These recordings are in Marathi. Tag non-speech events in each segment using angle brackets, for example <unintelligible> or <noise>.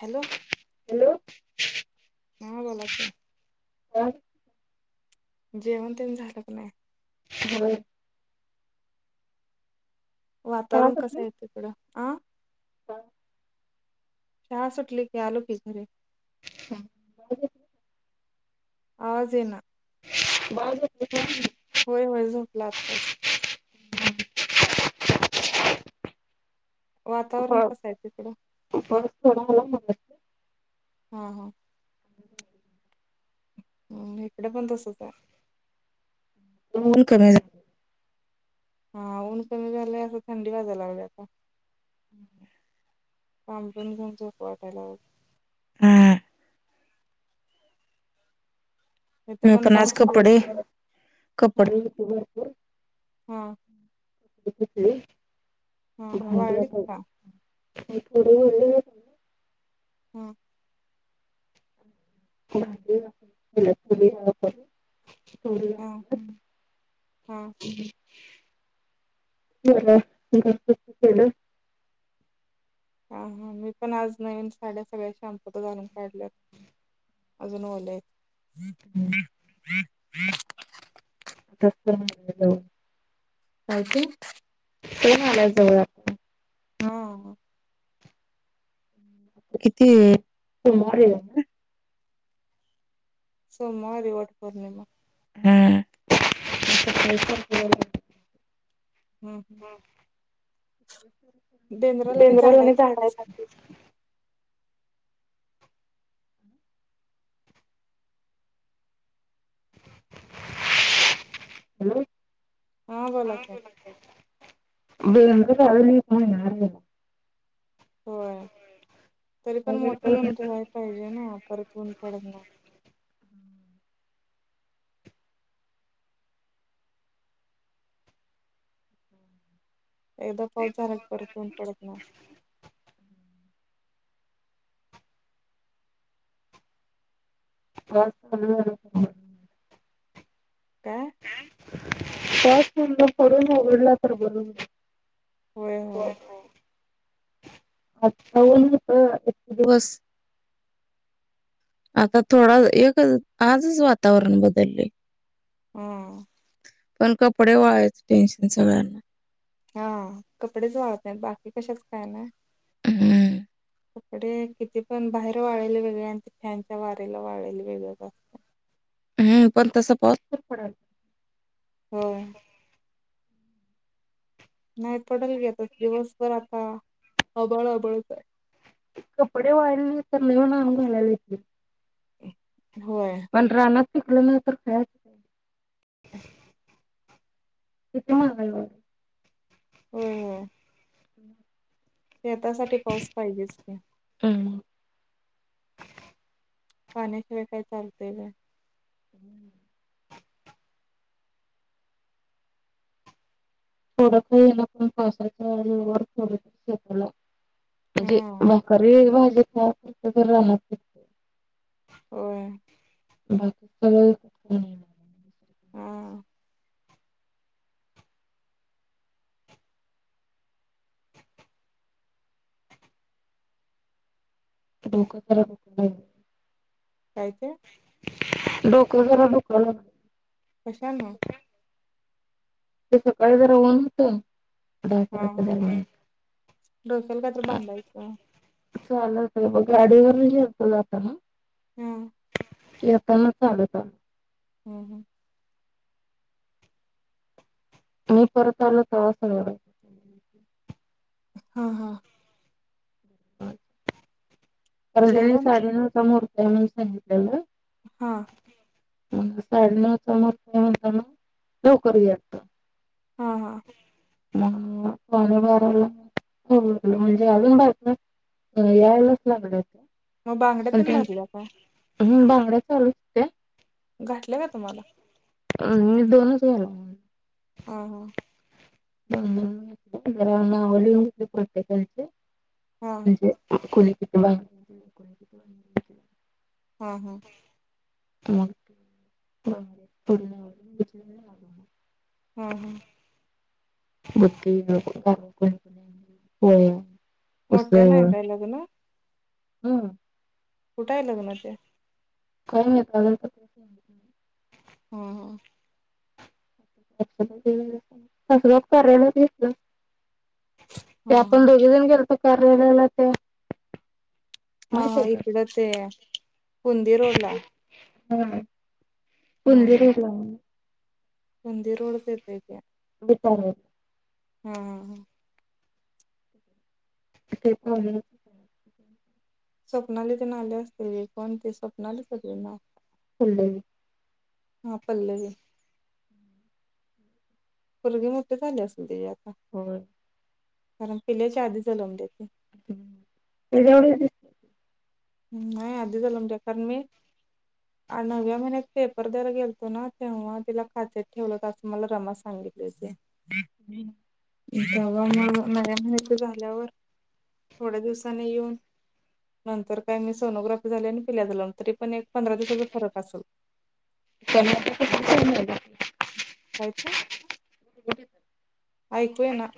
हॅलो. हॅलो. हा बोला की. <unintelligible> जेवण तेनी झाल क नाई? हो. वातावरण कसं आहे तिकड? <unintelligible> शाळा सुटली की. आलो की घरी. आवाज येना. <unintelligible> होय होय झोपला आत्ताच. वातावरण कसं आहे तिकडं <unintelligible> हा हा. हम्म इकडे पण तसच आहे. <unintelligible> हा. ऊन कमी झालंय. आता थंडी वाजायला लागल्या आता. पांगरून घेऊन झोपू वाटाय लागलाय. हा इथं मी पण आज पाऊस सुरू आहे कपडे, हा कपडे <unintelligible> हा <unintelligible> हा हा वाळलीत का? पुढे ओली येत. हम्. <unintelligible> हा हा होय. <unintelligible> हा हा. मी पण आज नवीन साड्या सगळ्या शाम्पूत घालून काढल्यात. अजून ओल्या येत. हम्म. <unintelligible> <unintelligible> काय ते? सण आलाय जवळ आता हा. <unintelligible> सोमवारी वटपोर्णिमा. हम <unintelligible> हम्म. बेंद्राला आणि झाडाय <unintelligible> हॅलो. हा बोला की. <unintelligible> होय तरी पण <unintelligible> एकदा पाऊस झाला की परत ऊन पडत नाही. पा <inaudible> काय <unintelligible> होय होय होय होय आच बोलत एक दिवस आता थोडा एक आजच वातावरण बदललय हम्म पण कपडे व् टेन्शन सगळ्यांना हा कपडेच वाळत नाहीत बाकी कशाच काय नाही हम्म कपडे किती पण बाहेर वाळलेलले वेगळे आणि ते फॅनच्या वारेला वाढल वेगळं जास्त हम्म पण तसं पाऊस पण पडायला हो नाही पडल की आता दिवसभर आता आभाळ आभाळच हाय कपडे वाळले नाहीत तर नवीन आणून घालायला येतील ह <inaudible> पण रानात पिकलं नाही तर खायचं काय किती महागाई वाढली होय होय <inaudible> शेतासाठी पाऊस पाहिजेच की वाढली पाण्याशिवाय काय चालतय होय <inaudible> <inaudible> म्हणजे हा भाकरी <unintelligible> होय बाकी <unintelligible> हा <unintelligible> काय ते डोक जरा दुखायला लागलय कशामुळे ते सकाळी जरा ऊन होतं दहा हा अकराच्या हा दरम्यान डोक्याला कायतर बांधायच चालत म गाडीवर गेलतो जाताना हम्म येताना चालत आलो हम्म हम्म मी परत आला तसा <unintelligible> हा हा <unintelligible> जेवण? आहे म्हणून सांगितलेला हा म साडे नचा म म्हणताना लवकरटत <unintelligible> हा हा ह पाणी वारला <unintelligible> हो म्हणजे अजून बायका यायलाच लागणार मग बांगड्या तेन भरल्या आता हम् बांगडा चालूच त्या घटल्या काय तुम्हाला अ मी दोनच गेलो हा हा ह ना वतेचे हा म्हणजे कोणी किती बगणी कोणी किती ह, ह <inaudible> ह, ह बकीकी कोणी कोणी होय मोठ्यान हाय काय लग्न हम्म कुठंय लग्न ते <unintelligible> ह, ह <inaudible> ते हा हा आपण दोघेजण गेलतो कार्यालयाला ते हा, माहित हा आहे का? इकड ते कुंदी रोड ला हा कुंदी रोडला कुंदी रोडच येतय ते <unintelligible> ह, ह, ह ते प स्वप्नाली तेन आले असतील की कोन ते स्वप्नालीच ना तिझं नाव ले हा पल्लवी पुरगी मोठी झाली असल तिजी आता होय कारण पिल्याच्या आधी जलमल्या ती तेजा एवढीच दिस नाही आधी जलमल्या कारण मी नव्या महिन्यात पेपर दर गेलतो ना तेव्हा तिला काचेत ठेवलं असं मला रमा सांग <inaudible> <inaudible> जवा मग मला माहित झाल्यावर थोड्या दिवसानी येऊन नंतर काय मी सोनोग्राफी झाली आणि पिल्या झाल तरी पण एक पंधरा दिवसाचा फरक असेल हो <inaudible> ऐकू ये ना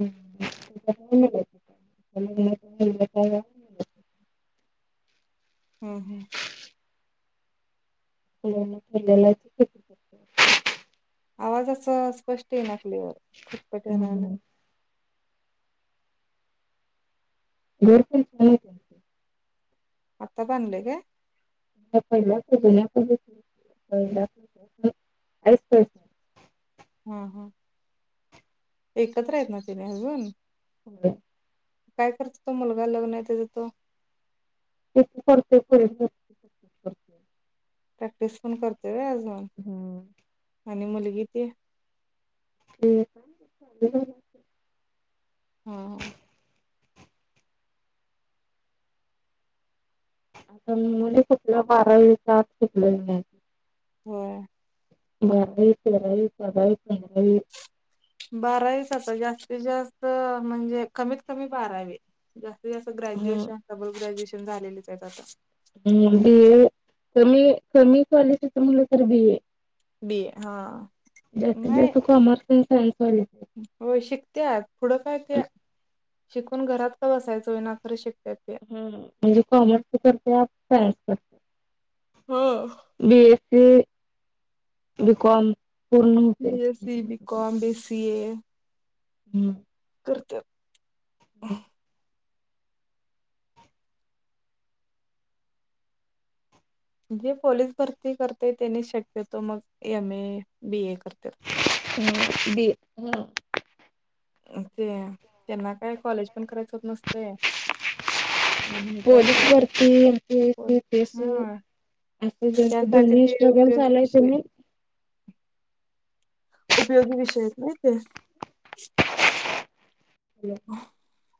ह कच्चीमटर आणि संध्याकाळला ह, ह hello miss Sejal I speak आवाज असं स्पष्ट येना क्लिवर खटपट हम्म. व्हाय लागलय घडतील ते आता बांधलंय काय आता पहिलाचं डीसिजन तुझं <unintelligible> ह, ह एकत्र आहेत ना त्यनी अजुन <unintelligible> काय करतो तो मुलगा लग्न आहे त्याच तो तेज ते करतय करुदे प्रॅक्टिस पण करतोय होय अजुन हम्म आणि मुलगी ती ठीक <unintelligible> हा हा आता मिळूदे कुटलं बारा दिवसात सुटलंय घर होय मळे तरल कडळ तरल <unintelligible> बारावीचं असल जास्तीत जास्त म्हणजे कमीत कमी बारावीत जास्तीतजास्त हा ग्रॅज्युएशन डबल ग्रॅज्युएशन झालेलेचं आहेत आता आणि मुलगी ए कमी कमी कॉलेटीच मुलं म्हंटल तर बीए बीए हा नाही तर सॉरी सॉरी होय शिकतेय पुढं काय ते शिकून घरात का बसायचं होय ना खरं शिक हम्म म्हणजे कॉमर्स करत्या का सायन्स करत्या हो बीएस्सी, बिकॉम पूर्ण होते सीए <unintelligible> हम्म करत्यात जे पोलीस भरती करते त्यांनी शक्यतो मग एमए, बीए बीए हम्म ते त्यांना काय कॉलेज पण करायचं होत नसतय आणि त्यात पोलीस भरती, एमपिएसी, बोल युपिएसी हा असं ज्यांचं त्यासाठी दोन्ही ते स्ट्रगल उपयोगी चालू आहे विषय त्यांनी उपयोगी विषय आहेत नाही ते <unintelligible>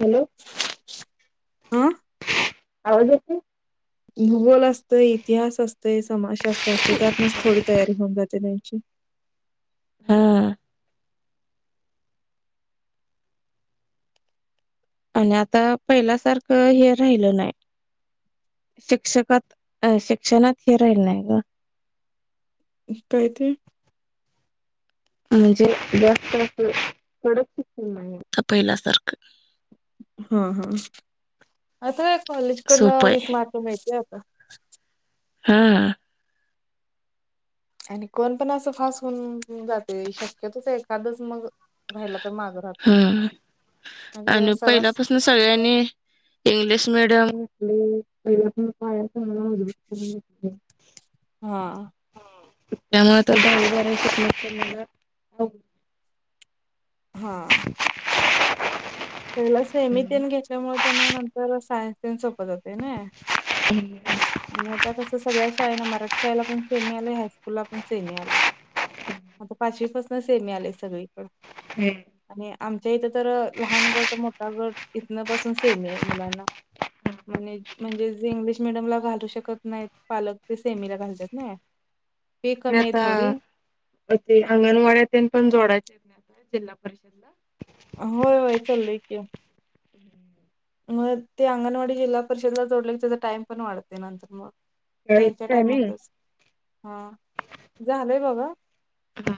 हॅलो आ आवाज येतोय भूगोल असतंय, इतिहास असतय, समाजशास्त्र असतय त्यातनच थोडी तयारी होऊन जाते नाही <unintelligible> हा आणि आता पहिल्यासारखं हे राहिलं नाही शिक्षकात अ शिक्षणात हे राहिल नाही गं काय ते म्हणजे जास्त असं कडक शिक्षण नाहीये आता पहिल्यासारखं हम्म हम्म आता काय कॉलेज सोपं कडनं आहे वीस मार्क मिळत्यात हो हा आणि कोण पण असं फास होऊन जाते शक्यतच एखादंच मग राहिला तर माग राहते नाहीतर आणि सर्रास पहिल्यापासून सगळ्यांनी इंग्लिश मिडियम म पहिला पण का हा हम मुळे तर जाराय श <inaudible> हा पहिलं सेमी घेतल्यामुळे त्यांना नंतर सायन्सन सोपत जात ते ना आणि आता कसं सगळ्या शाळे ना मराठी शाळेला पण सेमी आले हायस्कूल ला पण सेमी आले आता पाचवीपसून सेमी आले सगळी आणि आमच्या इथं तर लहान गट मोठा गट इथन पासून सेम आहे मुलांना म्हण म्हणजे जे इंग्लिश मिडियमला घालू शकत नाहीत फी आणि कमी आहे थोडी आता ते अंगणवाड्यात पण जोडाय जिल्हा परिषदला होय होय चाललंय की <unintelligible> मग ते अंगणवाडी जिल्हा परिषदला जोडले की त्याचा टाइम पण वाढतय नंतर मग त्यावेळी त्यांच्या टायमिंग टाइमातच हा झालंय बाबा हा